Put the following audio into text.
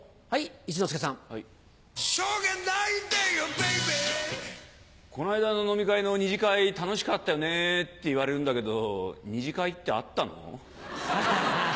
Ｂａｂｙ「こないだの飲み会の２次会楽しかったよね」って言われるんだけど２次会ってあったの？